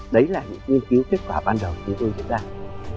đấy là những nghiên cứu kết quả ban đầu của chúng tôi hiện đang